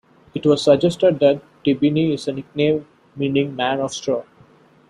It was suggested that Tibni is a nickname meaning "man of straw".